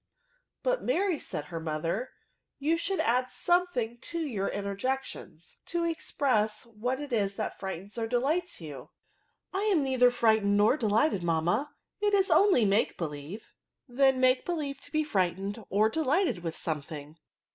" But, Mary," said her mother, " you should add something to your interjections to express what it is that frightens or delights you." I am neither frightened nor delighted, mamma, it is only make believe," K 3 102 tNTERJECTIONS. ^' Then make believe to be ficightened or delighted mth something."